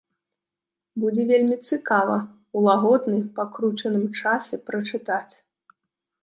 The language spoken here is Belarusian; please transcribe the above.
Будзе вельмі цікава ў лагодны па кручаным часе прачытаць.